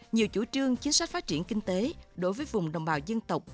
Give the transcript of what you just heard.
nhiều chủ trương chính sách phát triển kinh tế đối với vùng đồng bào dân tộc